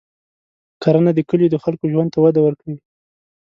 کرنه د کلیو د خلکو ژوند ته وده ورکوي.